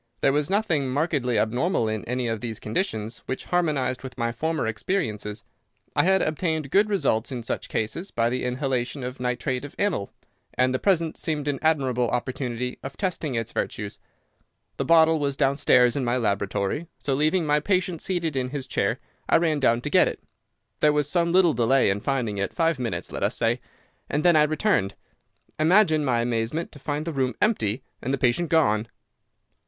There was nothing markedly abnormal in any of these conditions, which harmonised with my former experiences. I had obtained good results in such cases by the inhalation of nitrite of amyl, and the present seemed an admirable opportunity of testing its virtues. The bottle was downstairs in my laboratory, so leaving my patient seated in his chair, I ran down to get it. There was some little delay in finding it—five minutes, let us say—and then I returned. Imagine my amazement to find the room empty and the patient gone.